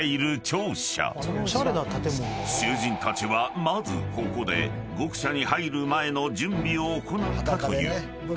［囚人たちはまずここで獄舎に入る前の準備を行ったという］